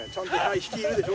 「引きいるでしょ？」